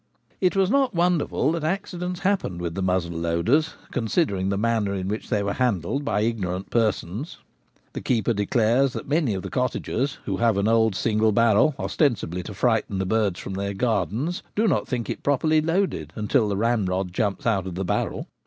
It was not wonderful that accidents happened with the muzzle loaders, considering the manner in which they were handled by ignorant persons. The keeper declares that many of the cottagers, who have an old single barrel, ostensibly to frighten the birds from their gardens, do not think it properly loaded until the ramrod jumps out of the barrel.